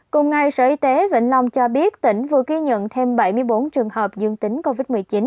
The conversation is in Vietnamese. cùng ngày sở y tế vĩnh long cho biết tỉnh vừa ghi nhận thêm bảy mươi bốn trường hợp dương tính covid một mươi chín